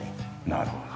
なるほど。